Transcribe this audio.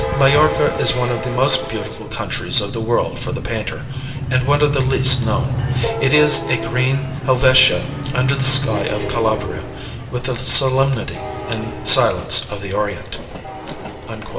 Majorca is one of the most beautiful countries of the world for the painter, and one of the least known. It is a green Helvetia under the sky of Calabria, with the solemnity and silence of the Orient."